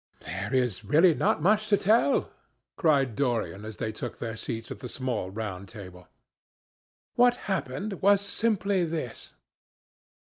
"There is really not much to tell," cried Dorian as they took their seats at the small round table. "What happened was simply this.